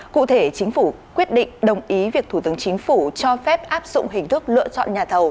cụ thể chính phủ quyết định đồng ý việc thủ tướng chính phủ cho phép áp dụng hình thức lựa chọn nhà thầu